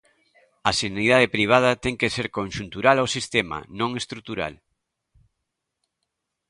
A sanidade privada ten que ser conxuntural ao sistema, non estrutural.